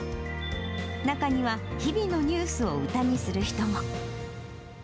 中には日々のニュースを歌にする人も。